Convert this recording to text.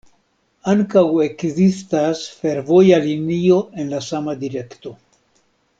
Ankaŭ ekzistas fervoja linio en la sama direkto.